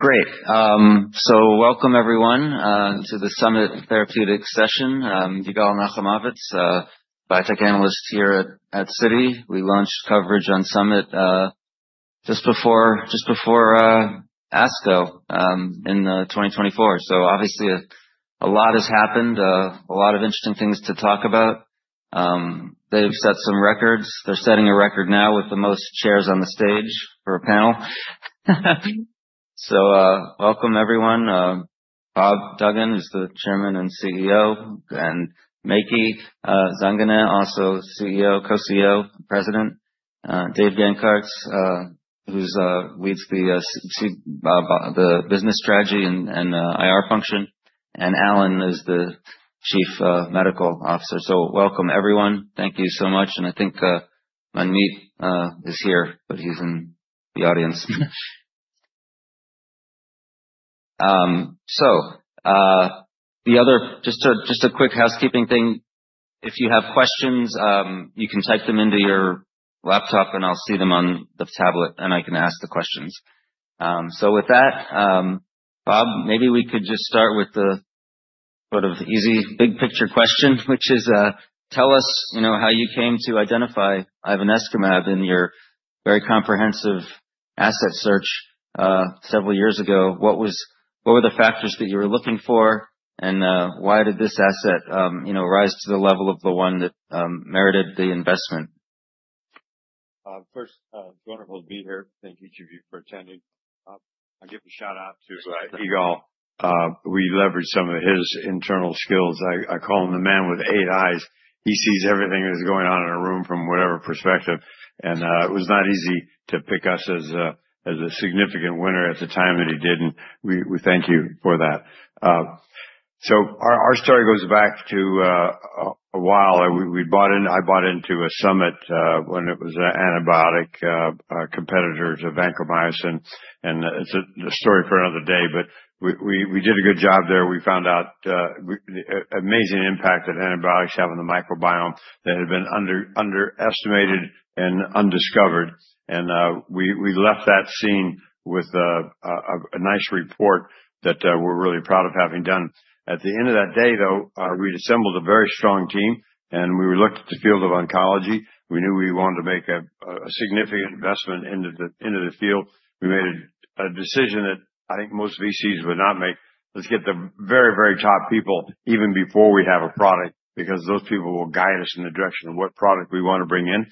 Great. Welcome everyone to the Summit Therapeutics session. Yigal Nochomovitz, biotech analyst here at Citi. We launched coverage on Summit just before ASCO in 2024. Obviously, a lot has happened, a lot of interesting things to talk about. They've set some records. They're setting a record now with the most chairs on the stage for a panel. Welcome everyone. Bob Duggan is the Chairman and CEO, and Maky Zanganeh, also CEO, co-CEO, President. Dave Gancarz, who leads the business strategy and IR function. And Allen is the Chief Medical Officer. Welcome everyone. Thank you so much. And I think Manmeet is here, but he's in the audience. Just a quick housekeeping thing. If you have questions, you can type them into your laptop and I'll see them on the tablet and I can ask the questions. So with that, Bob, maybe we could just start with the sort of easy big picture question, which is, tell us, you know, how you came to identify ivonescimab in your very comprehensive asset search, several years ago. What was, what were the factors that you were looking for and, why did this asset, you know, rise to the level of the one that, merited the investment? First, it's wonderful to be here. Thank each of you for attending. I'll give a shout out to Yigal. We leveraged some of his internal skills. I call him the man with eight eyes. He sees everything that is going on in a room from whatever perspective. And it was not easy to pick us as a significant winner at the time, but he did. We thank you for that. So our story goes back a while. We bought in. I bought into Summit when it was an antibiotic competitor to vancomycin. And it's a story for another day, but we did a good job there. We found out amazing impact that antibiotics have on the microbiome that had been underestimated and undiscovered. We left that scene with a nice report that we're really proud of having done. At the end of that day, though, we'd assembled a very strong team and we were looking at the field of oncology. We knew we wanted to make a significant investment into the field. We made a decision that I think most VCs would not make. Let's get the very, very top people even before we have a product because those people will guide us in the direction of what product we want to bring in.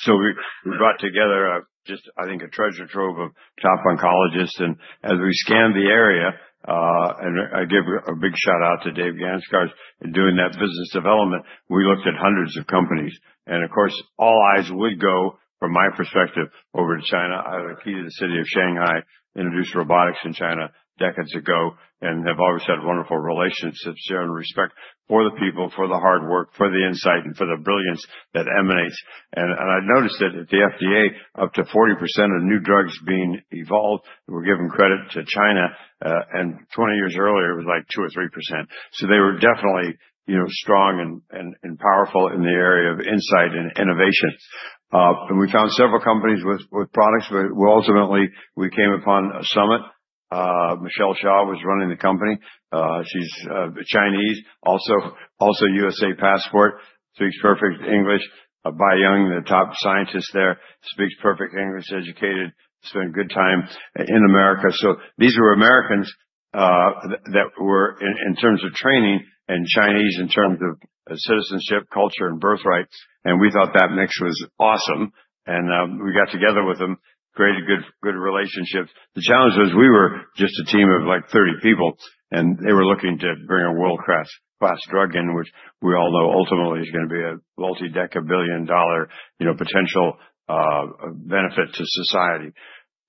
So we brought together just, I think, a treasure trove of top oncologists. As we scanned the area, I give a big shout out to Dave Gancarz in doing that business development. We looked at hundreds of companies. Of course, all eyes would go, from my perspective, over to China. I have a key to the city of Shanghai, introduced robotics in China decades ago and have always had wonderful relationships, sharing respect for the people, for the hard work, for the insight, and for the brilliance that emanates. I noticed that at the FDA, up to 40% of new drugs being evolved were given credit to China, and 20 years earlier, it was like 2 or 3%. So they were definitely, you know, strong and powerful in the area of insight and innovation. We found several companies with products, but we ultimately came upon Akeso. Michelle Xia was running the company. She's Chinese, also U.S.A. passport, speaks perfect English. Baihua Li, the top scientist there, speaks perfect English, educated, spent good time in America. So these were Americans that were in terms of training and Chinese in terms of citizenship, culture, and birthright. And we thought that mix was awesome. And we got together with them, created good, good relationships. The challenge was we were just a team of like 30 people and they were looking to bring a world-class drug in, which we all know ultimately is gonna be a multi-decade billion-dollar, you know, potential benefit to society.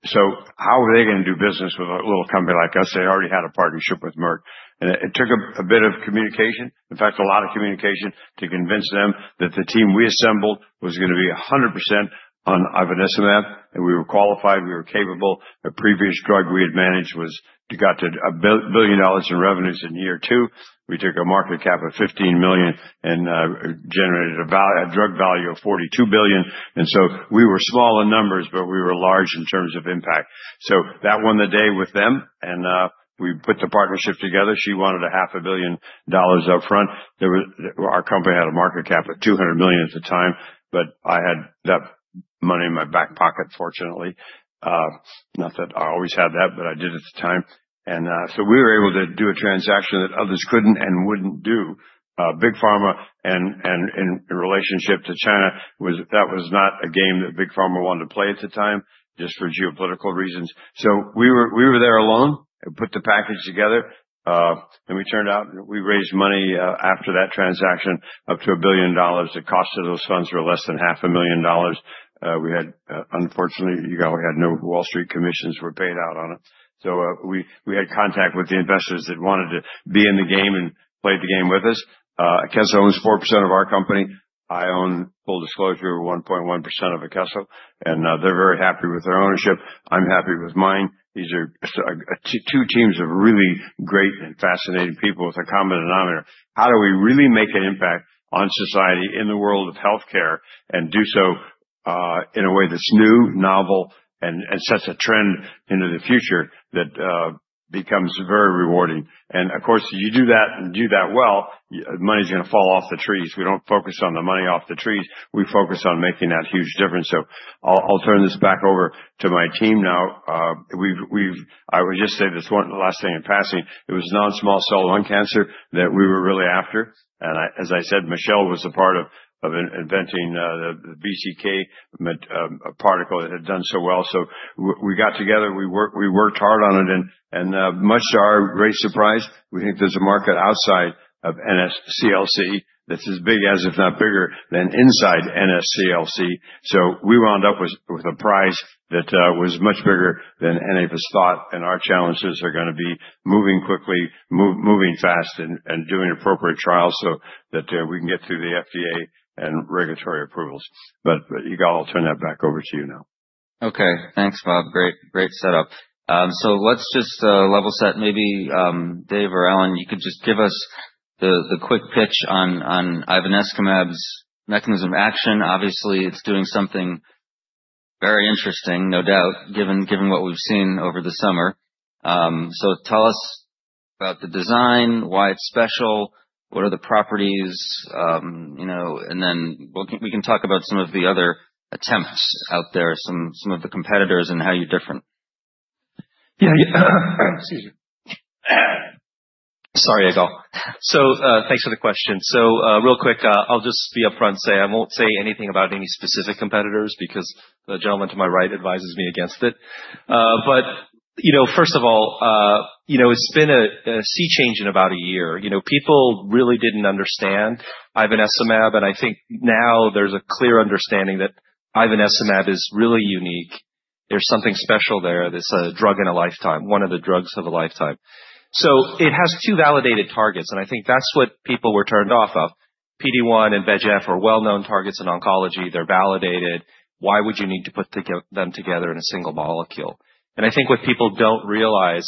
So how were they gonna do business with a little company like us? They already had a partnership with Merck. And it took a bit of communication, in fact, a lot of communication to convince them that the team we assembled was gonna be 100% on ivonescimab. And we were qualified, we were capable. A previous drug we had managed got to $1 billion in revenues in year two. We took a market cap of $15 million and generated a value, a drug value of $42 billion. And so we were small in numbers, but we were large in terms of impact. So that won the day with them. And we put the partnership together. She wanted $500 million upfront. Our company had a market cap of $200 million at the time, but I had that money in my back pocket, fortunately. Not that I always had that, but I did at the time. And so we were able to do a transaction that others couldn't and wouldn't do. Big Pharma and in relationship to China was not a game that Big Pharma wanted to play at the time, just for geopolitical reasons. We were there alone and put the package together. It turned out we raised money after that transaction up to $1 billion. The cost of those funds were less than $500,000. Unfortunately, you know, no Wall Street commissions were paid out on it. So we had contact with the investors that wanted to be in the game and played the game with us. Akeso owns 4% of our company. I own, full disclosure, 1.1% of Akeso. They're very happy with their ownership. I'm happy with mine. These are two teams of really great and fascinating people with a common denominator. How do we really make an impact on society in the world of healthcare and do so in a way that's new, novel, and sets a trend into the future that becomes very rewarding? Of course, you do that and do that well, money's gonna fall off the trees. We don't focus on the money off the trees. We focus on making that huge difference. I'll turn this back over to my team now. I would just say this one last thing in passing. It was non-small cell lung cancer that we were really after. I, as I said, Michelle was a part of inventing the bispecific antibody that had done so well. We got together, we worked hard on it and, much to our great surprise, we think there's a market outside of NSCLC that's as big as, if not bigger than inside NSCLC. We wound up with a prize that was much bigger than any of us thought. Our challenges are gonna be moving quickly, moving fast and doing appropriate trials so that we can get through the FDA and regulatory approvals. But Yigal, I'll turn that back over to you now. Okay. Thanks, Bob. Great, great setup. So let's just level set. Maybe Dave or Allen, you could just give us the quick pitch on ivonescimab's mechanism of action. Obviously, it's doing something very interesting, no doubt, given what we've seen over the summer. So tell us about the design, why it's special, what are the properties, you know, and then we can talk about some of the other attempts out there, some of the competitors and how you're different. Yeah. Excuse me. Sorry, Yigal. So, thanks for the question. So, real quick, I'll just be upfront, say I won't say anything about any specific competitors because the gentleman to my right advises me against it. But, you know, first of all, you know, it's been a sea change in about a year. You know, people really didn't understand ivonescimab. And I think now there's a clear understanding that ivonescimab is really unique. There's something special there. It's a drug in a lifetime, one of the drugs of a lifetime. So it has two validated targets. And I think that's what people were turned off of. PD-1 and VEGF are well-known targets in oncology. They're validated. Why would you need to put them together in a single molecule? I think what people don't realize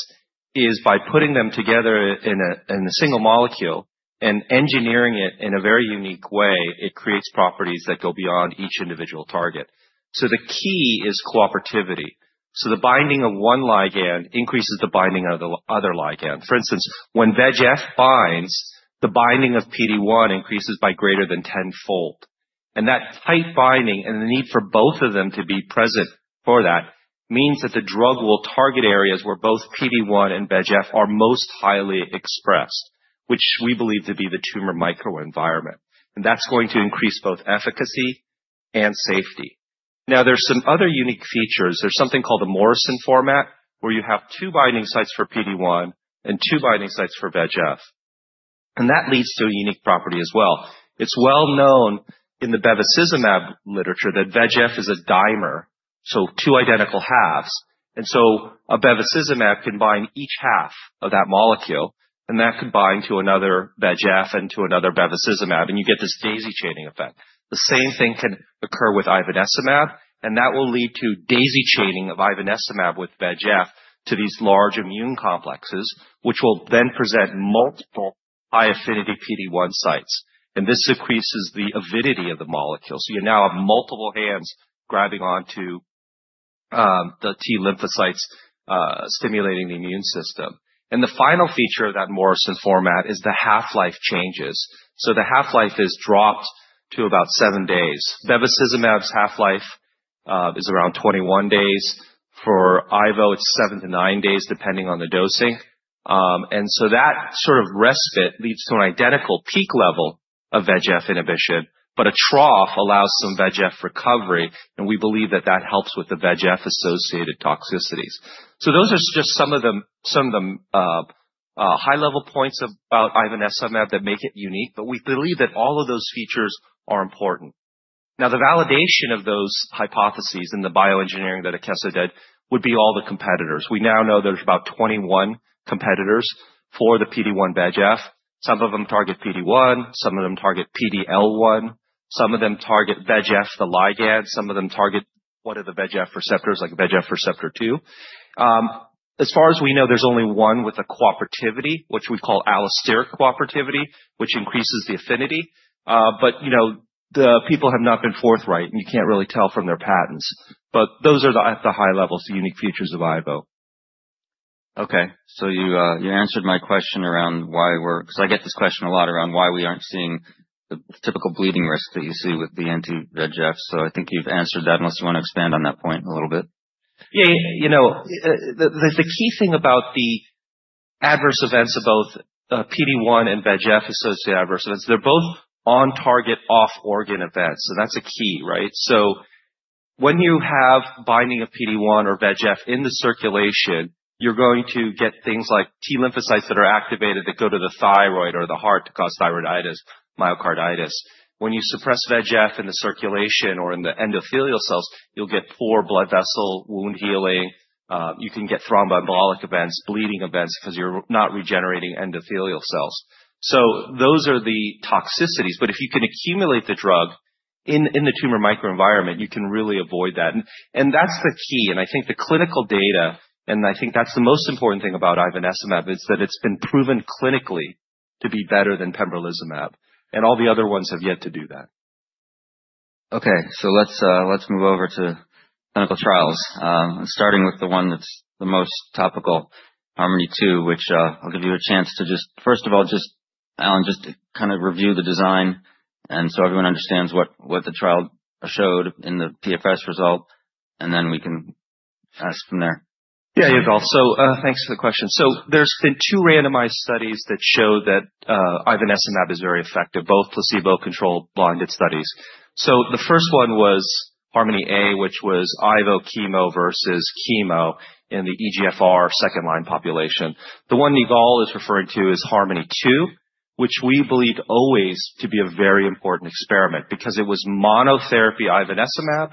is by putting them together in a single molecule and engineering it in a very unique way, it creates properties that go beyond each individual target. So the key is cooperativity. So the binding of one ligand increases the binding of the other ligand. For instance, when VEGF binds, the binding of PD-1 increases by greater than tenfold. And that tight binding and the need for both of them to be present for that means that the drug will target areas where both PD-1 and VEGF are most highly expressed, which we believe to be the tumor microenvironment. And that's going to increase both efficacy and safety. Now, there's some other unique features. There's something called a Morrison format where you have two binding sites for PD-1 and two binding sites for VEGF. And that leads to a unique property as well. It's well known in the bevacizumab literature that VEGF is a dimer, so two identical halves. And so a bevacizumab can bind each half of that molecule and that can bind to another VEGF and to another bevacizumab. And you get this daisy chaining effect. The same thing can occur with ivonescimab, and that will lead to daisy chaining of ivonescimab with VEGF to these large immune complexes, which will then present multiple high-affinity PD-1 sites. And this increases the avidity of the molecule. So you now have multiple hands grabbing onto the T lymphocytes, stimulating the immune system. And the final feature of that Morrison format is the half-life changes. So the half-life is dropped to about seven days. Bevacizumab's half-life is around 21 days. For Ivo, it's seven to nine days depending on the dosing. And so that sort of respite leads to an identical peak level of VEGF inhibition, but a trough allows some VEGF recovery. And we believe that that helps with the VEGF associated toxicities. So those are just some of the high level points about ivonescimab that make it unique, but we believe that all of those features are important. Now, the validation of those hypotheses and the bioengineering that Akeso did would be all the competitors. We now know there's about 21 competitors for the PD-1 VEGF. Some of them target PD-1, some of them target PD-L1, some of them target VEGF, the ligand, some of them target one of the VEGF receptors like VEGF receptor two. As far as we know, there's only one with a cooperativity, which we call allosteric cooperativity, which increases the affinity. But you know, the people have not been forthright and you can't really tell from their patents, but those are the, at the high levels, the unique features of Ivo. Okay. So you answered my question around why we're, 'cause I get this question a lot around why we aren't seeing the typical bleeding risk that you see with the anti-VEGF. So I think you've answered that unless you wanna expand on that point a little bit. Yeah. You know, the key thing about the adverse events of both PD-1 and VEGF-associated adverse events, they're both on target, off organ events. So that's a key, right? So when you have binding of PD-1 or VEGF in the circulation, you're going to get things like T lymphocytes that are activated that go to the thyroid or the heart to cause thyroiditis, myocarditis. When you suppress VEGF in the circulation or in the endothelial cells, you'll get poor blood vessel wound healing. You can get thromboembolic events, bleeding events 'cause you're not regenerating endothelial cells. So those are the toxicities. But if you can accumulate the drug in the tumor microenvironment, you can really avoid that. And that's the key. And I think the clinical data, and I think that's the most important thing about ivonescimab is that it's been proven clinically to be better than pembrolizumab. And all the other ones have yet to do that. Okay. So let's move over to clinical trials. Starting with the one that's the most topical, HARMONi-2, which I'll give you a chance to just, first of all, just, Allen, just kind of review the design and so everyone understands what the trial showed in the PFS result. And then we can ask from there. Yeah, Yigal. So, thanks for the question. So there's been two randomized studies that show that ivonescimab is very effective, both placebo controlled blinded studies. So the first one was HARMONi-A, which was ivonescimab chemo versus chemo in the EGFR second line population. The one Yigal is referring to is HARMONi-2, which we believed always to be a very important experiment because it was monotherapy ivonescimab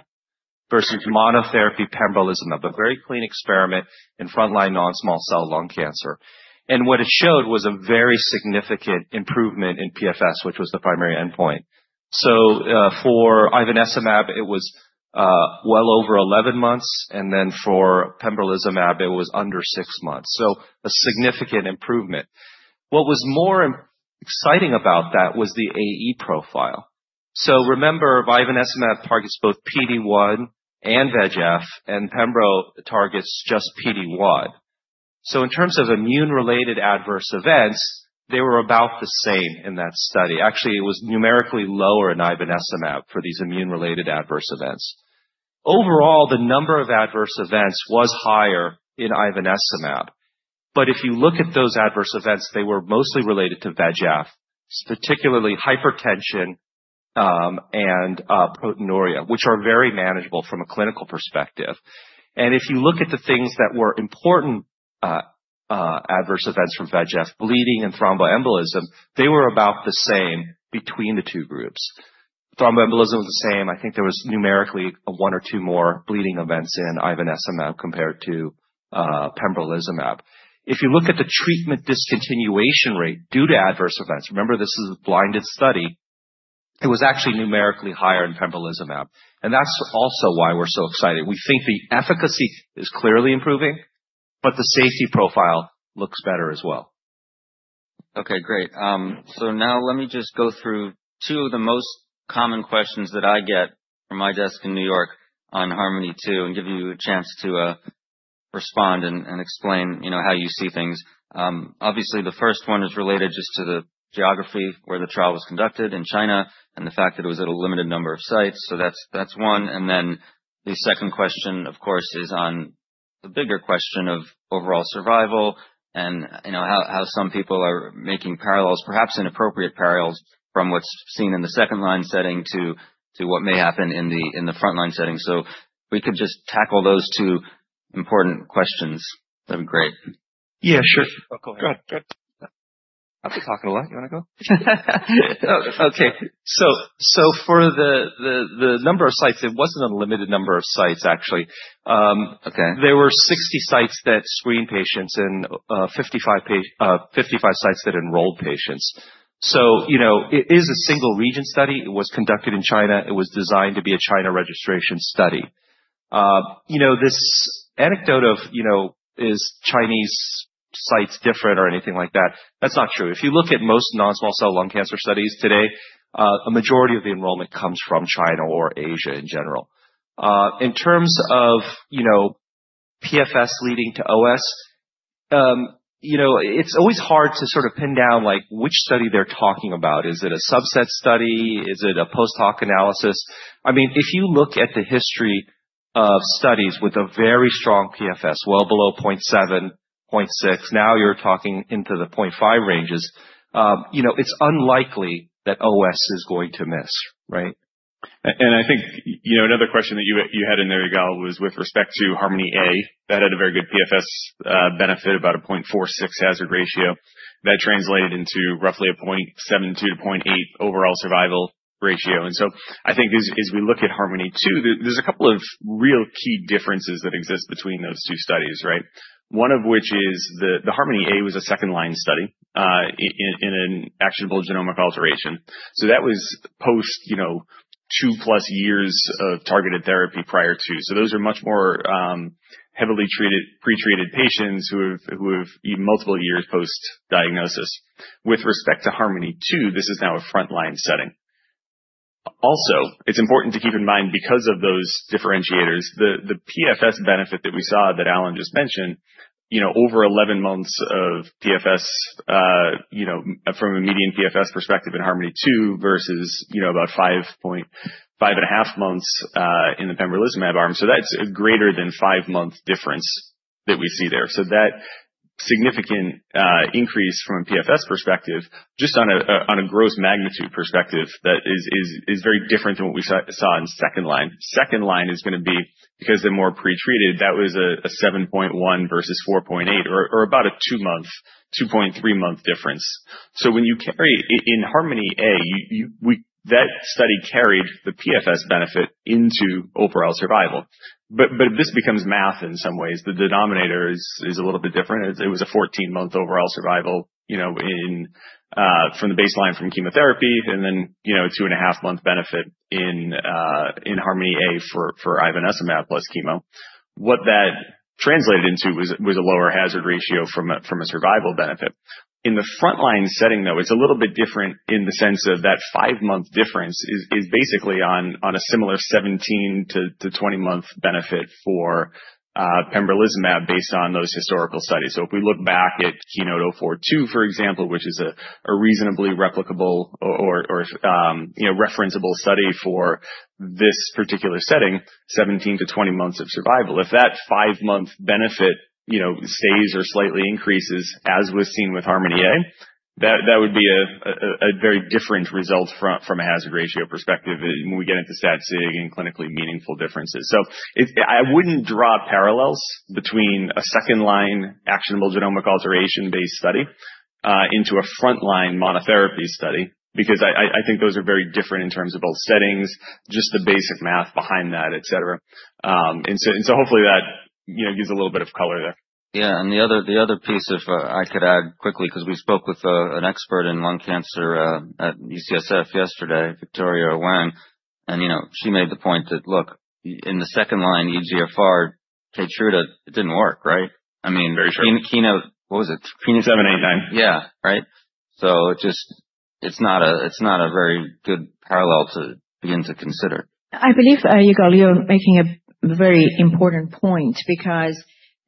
versus monotherapy pembrolizumab, a very clean experiment in frontline non-small cell lung cancer. And what it showed was a very significant improvement in PFS, which was the primary endpoint. So, for ivonescimab, it was well over 11 months. And then for pembrolizumab, it was under six months. So a significant improvement. What was more exciting about that was the AE profile. So remember, ivonescimab targets both PD-1 and VEGF, and Pembro targets just PD-1. So in terms of immune-related adverse events, they were about the same in that study. Actually, it was numerically lower in ivonescimab for these immune-related adverse events. Overall, the number of adverse events was higher in ivonescimab. But if you look at those adverse events, they were mostly related to VEGF, particularly hypertension and proteinuria, which are very manageable from a clinical perspective. And if you look at the things that were important, adverse events from VEGF, bleeding and thromboembolism, they were about the same between the two groups. Thromboembolism was the same. I think there was numerically one or two more bleeding events in ivonescimab compared to pembrolizumab. If you look at the treatment discontinuation rate due to adverse events, remember this is a blinded study, it was actually numerically higher in pembrolizumab. And that's also why we're so excited. We think the efficacy is clearly improving, but the safety profile looks better as well. Okay, great. So now let me just go through two of the most common questions that I get from my desk in New York on HARMONi-2 and give you a chance to respond and explain, you know, how you see things. Obviously the first one is related just to the geography where the trial was conducted in China and the fact that it was at a limited number of sites. So that's one. And then the second question, of course, is on the bigger question of overall survival and, you know, how some people are making parallels, perhaps inappropriate parallels from what's seen in the second line setting to what may happen in the frontline setting. So we could just tackle those two important questions. That'd be great. Yeah, sure. Oh, go ahead. Go ahead. I've been talking a lot. You wanna go? Oh, okay, so for the number of sites, it wasn't a limited number of sites actually. Okay. There were 60 sites that screened patients and 55 patients, 55 sites that enrolled patients. So, you know, it is a single-region study. It was conducted in China. It was designed to be a China registration study. You know, this anecdote of, you know, is Chinese sites different or anything like that? That's not true. If you look at most non-small cell lung cancer studies today, a majority of the enrollment comes from China or Asia in general. In terms of, you know, PFS leading to OS, you know, it's always hard to sort of pin down like which study they're talking about. Is it a subset study? Is it a post hoc analysis? I mean, if you look at the history of studies with a very strong PFS, well below 0.7, 0.6, now you're talking into the 0.5 ranges, you know, it's unlikely that OS is going to miss, right? And I think, you know, another question that you had in there, Yigal, was with respect to HARMONi-A that had a very good PFS benefit about a 0.46 hazard ratio that translated into roughly a 0.72-0.8 overall survival ratio. And so I think as we look at HARMONi-2, there's a couple of real key differences that exist between those two studies, right? One of which is the HARMONi-A was a second line study in an actionable genomic alteration. So that was post, you know, two plus years of targeted therapy prior to. So those are much more heavily treated, pretreated patients who have multiple years post diagnosis. With respect to HARMONi-2, this is now a frontline setting. Also, it's important to keep in mind because of those differentiators, the PFS benefit that we saw that Allen just mentioned, you know, over 11 months of PFS, you know, from a median PFS perspective in HARMONi-2 versus, you know, about 5.5 and a half months, in the pembrolizumab arm. So that's a greater than five month difference that we see there. So that significant increase from a PFS perspective, just on a gross magnitude perspective, that is very different than what we saw in second line. Second line is gonna be because they're more pretreated, that was a 7.1 versus 4.8 or about a two month, 2.3 month difference. So when you carry in HARMONi-A, you, we, that study carried the PFS benefit into overall survival. But this becomes math in some ways. The denominator is a little bit different. It was a 14-month overall survival, you know, from the baseline from chemotherapy and then, you know, 2.5-month benefit in HARMONi-A for ivonescimab plus chemo. What that translated into was a lower hazard ratio from a survival benefit. In the frontline setting though, it's a little bit different in the sense of that five-month difference is basically on a similar 17- to 20-month benefit for pembrolizumab based on those historical studies. If we look back at KEYNOTE-042, for example, which is a reasonably replicable or, you know, referenceable study for this particular setting, 17-20 months of survival, if that five-month benefit, you know, stays or slightly increases as was seen with HARMONi-A, that would be a very different result from a hazard ratio perspective when we get into stat sig and clinically meaningful differences. It wouldn't draw parallels between a second-line actionable genomic alteration-based study into a frontline monotherapy study because I think those are very different in terms of both settings, just the basic math behind that, et cetera. Hopefully that, you know, gives a little bit of color there. Yeah. And the other, the other piece of, I could add quickly, 'cause we spoke with an expert in lung cancer at UCSF yesterday, Victoria Wang, and you know, she made the point that, look, in the second line EGFR, Keytruda, it didn't work, right? I mean. Very short. KEYNOTE, what was it? KEYNOTE. 789. Yeah. Right. So it just, it's not a, it's not a very good parallel to begin to consider. I believe, Yigal, you are making a very important point because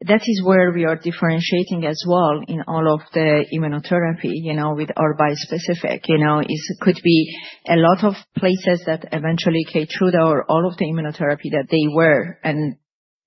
that is where we are differentiating as well in all of the immunotherapy, you know, with our bispecific, you know, is could be a lot of places that eventually Keytruda or all of the immunotherapy that they were and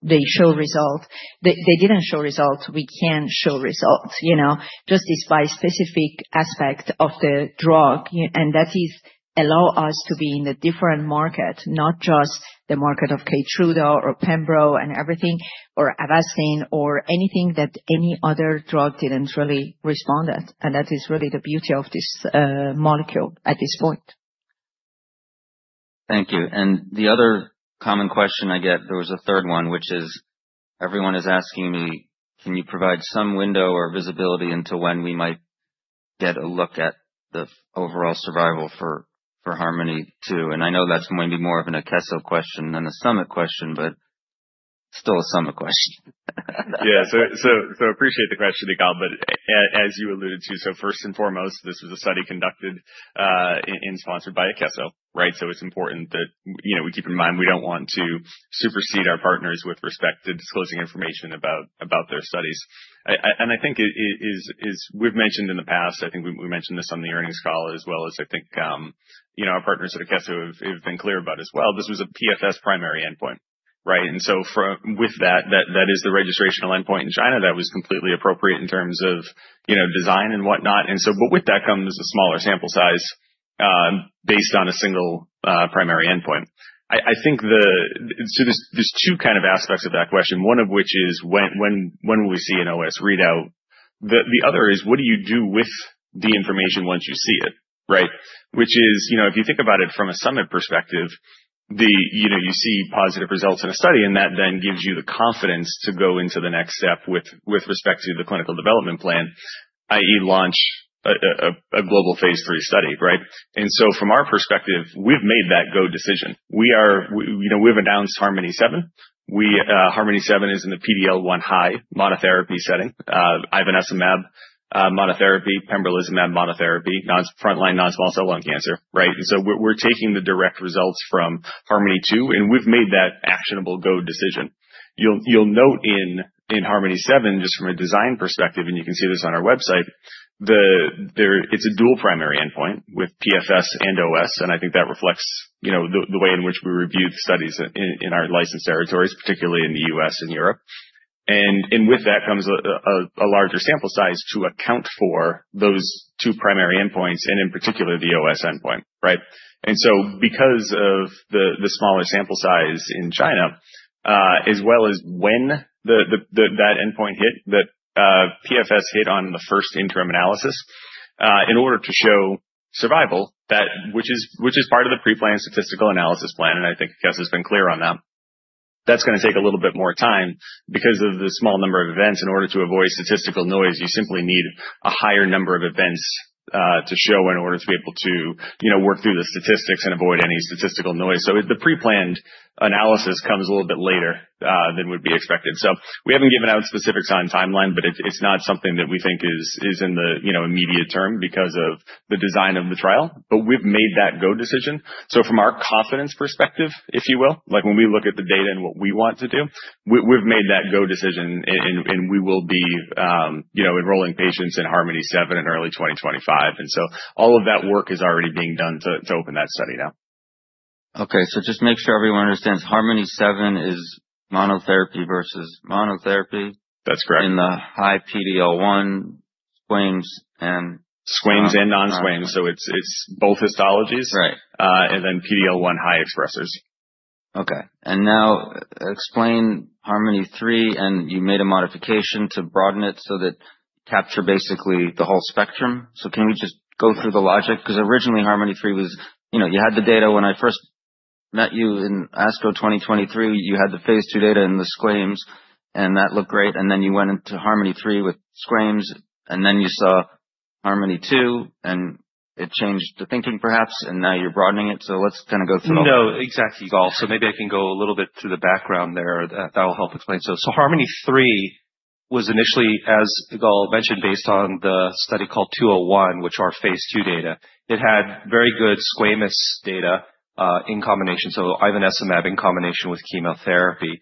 they show result, they, they didn't show results. We can show results, you know, just this bispecific aspect of the drug. And that is allow us to be in the different market, not just the market of Keytruda or Pembro and everything or Avastin or anything that any other drug didn't really respond at. And that is really the beauty of this, molecule at this point. Thank you. And the other common question I get, there was a third one, which is everyone is asking me, can you provide some window or visibility into when we might get a look at the overall survival for, for HARMONi-2? And I know that's maybe more of an Akeso question than a Summit question, but still a Summit question. Yeah. So appreciate the question, Yigal. But as you alluded to, so first and foremost, this was a study conducted and sponsored by Akeso, right? So it's important that, you know, we keep in mind we don't want to supersede our partners with respect to disclosing information about their studies. And I think it is, we've mentioned in the past, I think we mentioned this on the earnings call as well as I think, you know, our partners at Akeso have been clear about as well. This was a PFS primary endpoint, right? And so with that, that is the registrational endpoint in China that was completely appropriate in terms of, you know, design and whatnot. And so, but with that comes a smaller sample size, based on a single primary endpoint. I think so there's two kind of aspects of that question, one of which is when will we see an OS readout? The other is what do you do with the information once you see it, right? Which is, you know, if you think about it from a Summit perspective, you know, you see positive results in a study and that then gives you the confidence to go into the next step with respect to the clinical development plan, i.e. launch a global phase III study, right? And so from our perspective, we've made that go decision. We, you know, we've announced HARMONi-7. HARMONi-7 is in the PD-L1 high monotherapy setting, ivonescimab monotherapy, pembrolizumab monotherapy, in frontline non-small cell lung cancer, right? And so we're taking the direct results from HARMONi-2 and we've made that actionable go decision. You'll note in HARMONi-7, just from a design perspective, and you can see this on our website, there it's a dual primary endpoint with PFS and OS. And I think that reflects, you know, the way in which we reviewed the studies in our licensed territories, particularly in the U.S. and Europe. And with that comes a larger sample size to account for those two primary endpoints and in particular the OS endpoint, right? And so because of the smaller sample size in China, as well as when that endpoint hit, that PFS hit on the first interim analysis, in order to show survival that which is part of the preplanned statistical analysis plan. I think 'Carz has been clear on that. That's gonna take a little bit more time because of the small number of events. In order to avoid statistical noise, you simply need a higher number of events, to show in order to be able to, you know, work through the statistics and avoid any statistical noise. So the preplanned analysis comes a little bit later than would be expected. So we haven't given out specifics on timeline, but it's not something that we think is in the, you know, immediate term because of the design of the trial, but we've made that go decision. So from our confidence perspective, if you will, like when we look at the data and what we want to do, we've made that go decision and we will be, you know, enrolling patients in HARMONi-7 in early 2025. And so all of that work is already being done to open that study now. Okay, so just make sure everyone understands HARMONi-7 is monotherapy versus monotherapy. That's correct. In the high PD-L1 squamous and. Squamous and non-squamous. So it's, it's both histologies. Right. And then PD-L1 high expressors. Okay. And now explain HARMONi-3 and you made a modification to broaden it so that capture basically the whole spectrum. So can we just go through the logic? 'Cause originally HARMONi-3 was, you know, you had the data when I first met you in ASCO 2023, you had the phase II data and the squamous and that looked great. And then you went into HARMONi-3 with squamous and then you saw HARMONi-2 and it changed the thinking perhaps and now you're broadening it. So let's kind of go through. No, exactly, Yigal. So maybe I can go a little bit to the background there. That will help explain. So HARMONi-3 was initially, as Yigal mentioned, based on the study called 201, which are phase II data. It had very good squamous data, in combination. So ivonescimab in combination with chemotherapy.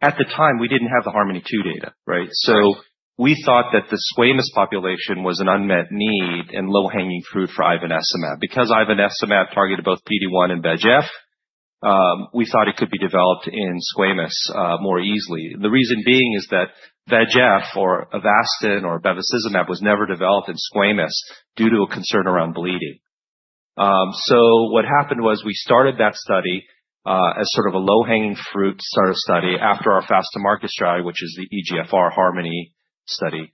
At the time, we didn't have the HARMONi-2 data, right? So we thought that the squamous population was an unmet need and low hanging fruit for ivonescimab because ivonescimab targeted both PD-1 and VEGF. We thought it could be developed in squamous, more easily. The reason being is that VEGF or Avastin or bevacizumab was never developed in squamous due to a concern around bleeding. So what happened was we started that study, as sort of a low hanging fruit sort of study after our fast to market strategy, which is the EGFR HARMONi study.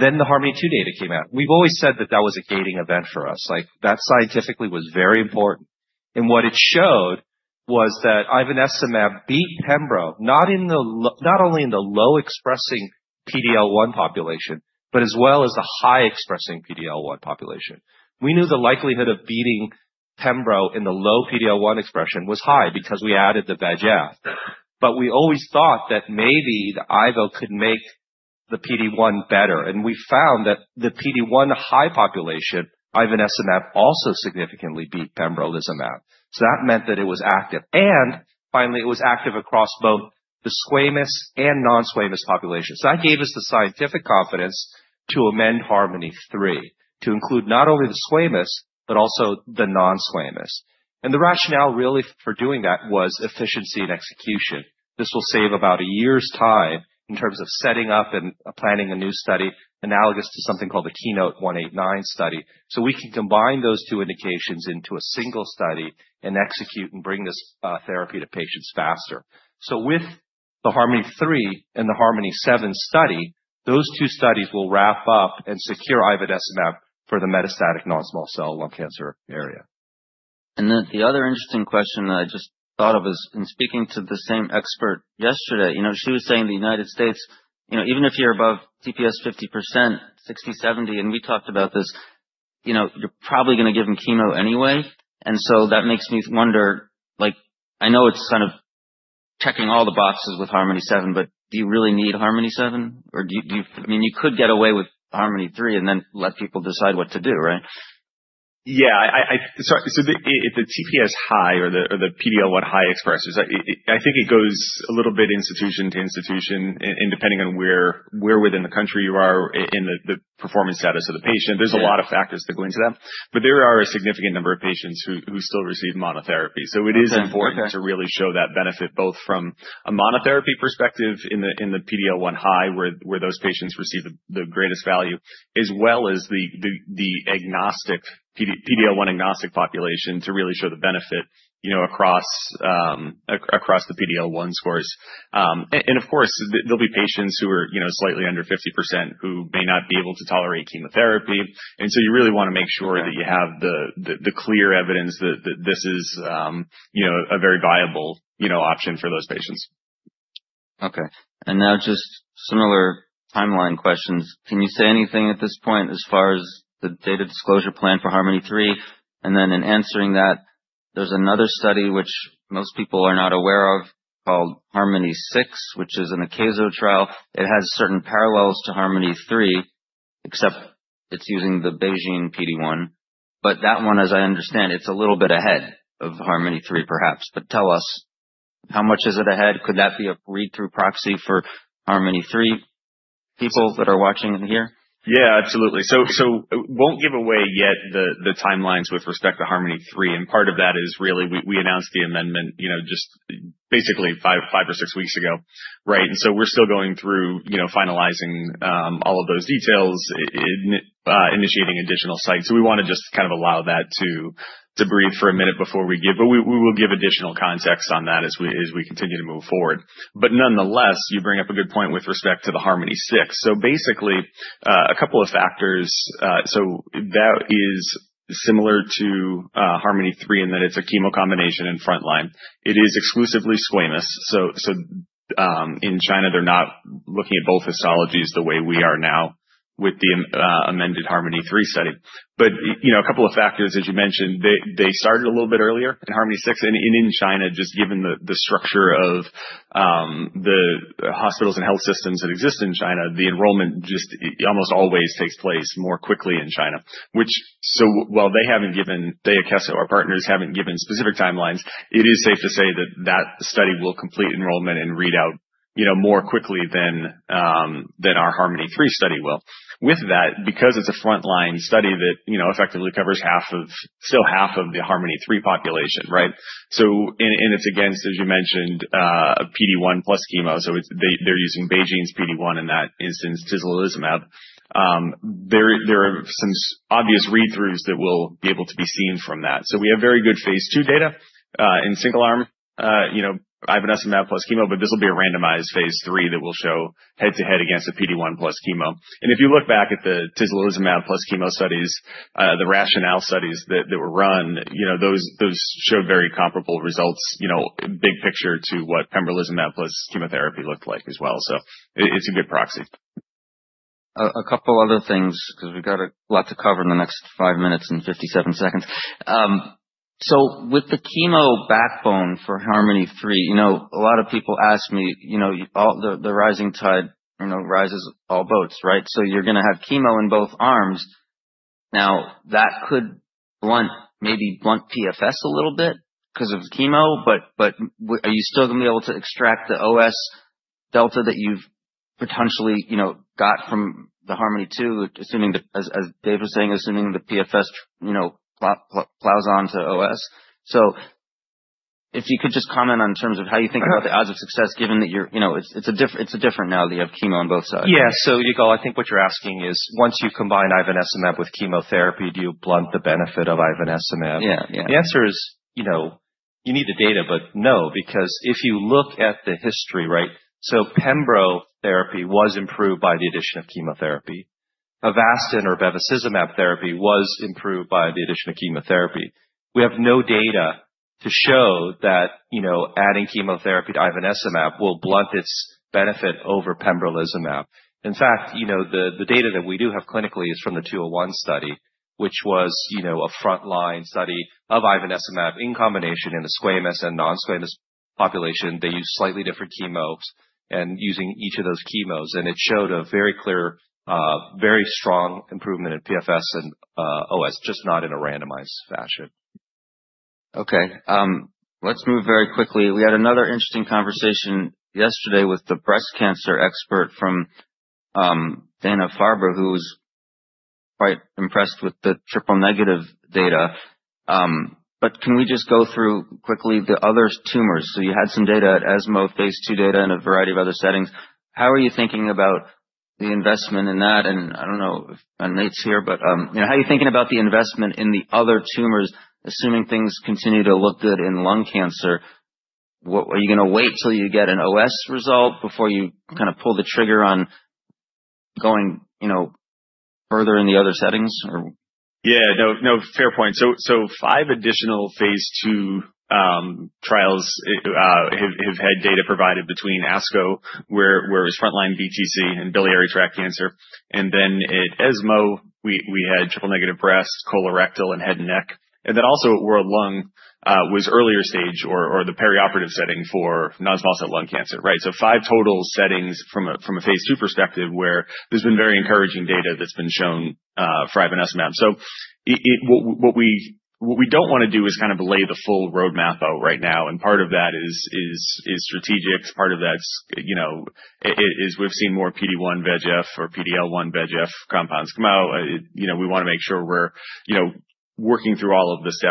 Then the HARMONi-2 data came out. We've always said that that was a gating event for us. Like that scientifically was very important. And what it showed was that ivonescimab beat Pembro, not in the low, not only in the low expressing PD-L1 population, but as well as the high expressing PD-L1 population. We knew the likelihood of beating Pembro in the low PD-L1 expression was high because we added the VEGF, but we always thought that maybe the IVO could make the PD-1 better. And we found that the PD-L1 high population, ivonescimab also significantly beat Pembrolizumab. So that meant that it was active. Finally, it was active across both the squamous and non-squamous population. That gave us the scientific confidence to amend HARMONi-3 to include not only the squamous, but also the non-squamous. The RATIONALE really for doing that was efficiency and execution. This will save about a year's time in terms of setting up and planning a new study analogous to something called the KEYNOTE-189 study. We can combine those two indications into a single study and execute and bring this therapy to patients faster. With the HARMONi-3 and the HARMONi-7 study, those two studies will wrap up and secure ivonescimab for the metastatic non-small cell lung cancer area. And then the other interesting question that I just thought of is, in speaking to the same expert yesterday, you know, she was saying the United States, you know, even if you're above TPS 50%, 60%, 70%, and we talked about this, you know, you're probably gonna give them chemo anyway. And so that makes me wonder, like, I know it's kind of checking all the boxes with HARMONi-7, but do you really need HARMONi-7 or do you, do you, I mean, you could get away with HARMONi-3 and then let people decide what to do, right? Yeah. Sorry. So the TPS high or the PD-L1 high expressors, I think it goes a little bit institution to institution and depending on where within the country you are in the performance status of the patient, there's a lot of factors that go into that, but there are a significant number of patients who still receive monotherapy. So it is important to really show that benefit both from a monotherapy perspective in the PD-L1 high where those patients receive the greatest value as well as the agnostic PD-L1 agnostic population to really show the benefit, you know, across the PD-L1 scores. Of course, there'll be patients who are, you know, slightly under 50% who may not be able to tolerate chemotherapy. You really wanna make sure that you have the clear evidence that this is, you know, a very viable, you know, option for those patients. Okay. And now just similar timeline questions. Can you say anything at this point as far as the data disclosure plan for HARMONi-3? And then in answering that, there's another study which most people are not aware of called HARMONi-6, which is an Akeso trial. It has certain parallels to HARMONi-3, except it's using the BeiGene PD-1, but that one, as I understand, it's a little bit ahead of HARMONi-3 perhaps, but tell us how much is it ahead? Could that be a read-through proxy for HARMONi-3 people that are watching in here? Yeah, absolutely. So, we won't give away yet the timelines with respect to HARMONi-3. And part of that is really we announced the amendment, you know, just basically five or six weeks ago, right? And so we're still going through, you know, finalizing all of those details, initiating additional sites. So we wanna just kind of allow that to breathe for a minute before we give, but we will give additional context on that as we continue to move forward. But nonetheless, you bring up a good point with respect to the HARMONi-6. So basically, a couple of factors, so that is similar to HARMONi-3 in that it's a chemo combination and frontline. It is exclusively squamous. So in China, they're not looking at both histologies the way we are now with the amended HARMONi-3 setting. But, you know, a couple of factors, as you mentioned, they started a little bit earlier in HARMONi-6 and in China, just given the structure of the hospitals and health systems that exist in China, the enrollment just almost always takes place more quickly in China, which, so while they haven't given, Akeso, our partners haven't given specific timelines, it is safe to say that that study will complete enrollment and read out, you know, more quickly than our HARMONi-3 study will with that, because it's a frontline study that, you know, effectively covers half of, still half of the HARMONi-3 population, right? So, and it's against, as you mentioned, PD-1 plus chemo. So it's, they're using BeiGene's PD-1 in that instance, tislelizumab. There are some obvious read-throughs that will be able to be seen from that. So we have very good phase II data, in single arm, you know, ivonescimab plus chemo, but this'll be a randomized phase III that will show head to head against a PD-1 plus chemo. And if you look back at the tislelizumab plus chemo studies, the RATIONALE studies that, that were run, you know, those, those showed very comparable results, you know, big picture to what pembrolizumab plus chemotherapy looked like as well. So it's a good proxy. A couple other things cause we've got a lot to cover in the next five minutes and 57 seconds. So with the chemo backbone for HARMONi-3, you know, a lot of people ask me, you know, all the, the rising tide, you know, rises all boats, right? So you're gonna have chemo in both arms. Now that could blunt, maybe blunt PFS a little bit 'cause of chemo, but, but are you still gonna be able to extract the OS delta that you've potentially, you know, got from the HARMONi-2, assuming that, as, as Dave was saying, assuming the PFS, you know, plows, plows on to OS. So if you could just comment on terms of how you think about the odds of success, given that you're, you know, it's, it's a different, it's a different now that you have chemo on both sides. Yeah. So Yigal, I think what you're asking is once you combine ivonescimab with chemotherapy, do you blunt the benefit of ivonescimab? Yeah. Yeah. The answer is, you know, you need the data, but no, because if you look at the history, right? So pembrolizumab therapy was improved by the addition of chemotherapy. Avastin or bevacizumab therapy was improved by the addition of chemotherapy. We have no data to show that, you know, adding chemotherapy to ivonescimab will blunt its benefit over pembrolizumab. In fact, you know, the data that we do have clinically is from the 201 study, which was, you know, a frontline study of ivonescimab in combination in the squamous and non-squamous population. They used slightly different chemos and using each of those chemos, and it showed a very clear, very strong improvement in PFS and OS, just not in a randomized fashion. Okay. Let's move very quickly. We had another interesting conversation yesterday with the breast cancer expert from Dana-Farber, who was quite impressed with the triple-negative data. But can we just go through quickly the other tumors? So you had some data at ESMO, phase II data in a variety of other settings. How are you thinking about the investment in that? And I don't know if Manmeet's here, but, you know, how are you thinking about the investment in the other tumors, assuming things continue to look good in lung cancer? What, are you gonna wait till you get an OS result before you kind of pull the trigger on going, you know, further in the other settings or? Yeah. No, no, fair point. So five additional phase II trials have had data provided between ASCO, where it was frontline BTC and biliary tract cancer. And then at ESMO, we had triple-negative breast cancer, colorectal cancer, and head and neck cancer. And then also, a lung was earlier stage or the perioperative setting for non-small cell lung cancer, right? So five total settings from a phase II perspective where there's been very encouraging data that's been shown for ivonescimab. So, what we don't wanna do is kind of lay the full roadmap out right now. And part of that is strategic. Part of that's, you know, it is we've seen more PD-1 VEGF or PD-L1 VEGF compounds come out. You know, we wanna make sure we're, you know, working through all of the.